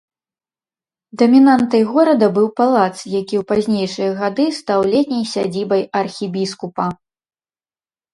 Дамінантай горада быў палац, які ў пазнейшыя гады стаў летняй сядзібай архібіскупа.